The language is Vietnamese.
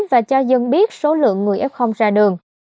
và cho dân biết số lượng người f ra đường